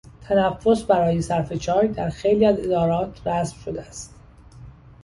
تنفس برای صرف چای در خیلی از ادارات رسم شده است.